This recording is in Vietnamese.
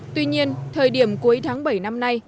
tuy nhiên thời điểm cuối tháng bảy năm nay